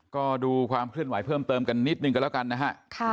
ก็ดูความเคลื่อนไหวเพิ่มเติมกันนิดนึงกันแล้วกันนะฮะ